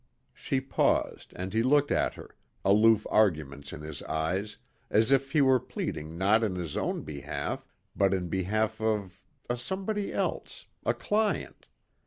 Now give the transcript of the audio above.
She paused and he looked at her, aloof arguments in his eyes as if he were pleading not in his own behalf but in behalf of a somebody else, a client.